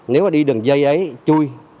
nếu mà đi đường dây ấy chui